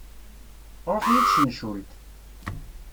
Truḥ-iyi tcencult.